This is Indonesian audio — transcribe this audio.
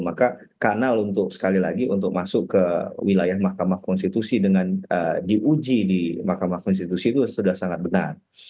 maka kanal untuk sekali lagi untuk masuk ke wilayah mahkamah konstitusi dengan diuji di mahkamah konstitusi itu sudah sangat benar